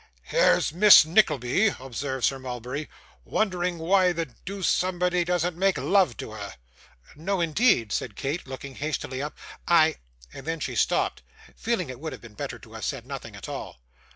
'Here is Miss Nickleby,' observed Sir Mulberry, 'wondering why the deuce somebody doesn't make love to her.' 'No, indeed,' said Kate, looking hastily up, 'I ' and then she stopped, feeling it would have been better to have said nothing at all.